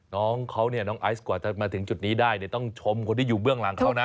น้องเขาเนี่ยน้องไอซ์กว่าจะมาถึงจุดนี้ได้ต้องชมคนที่อยู่เบื้องหลังเขานะ